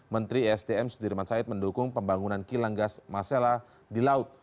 menteri esdm sudirman said mendukung pembangunan kilang gas masela di laut